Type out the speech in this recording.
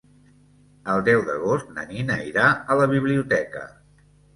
El deu d'agost na Nina irà a la biblioteca.